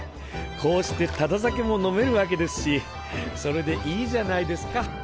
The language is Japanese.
こうしてタダ酒も飲めるわけですしそれでいいじゃないですか。